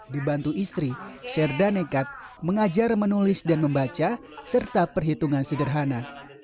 di bantu istri serda nekat mengajar menulis dan membaca serta perhitungan sederhana